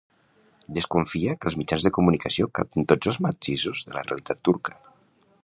Desconfia que els mitjans de comunicació captin tots els matisos de la realitat turca.